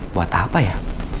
buat apa ya